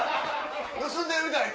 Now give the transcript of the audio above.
盗んでるみたいに。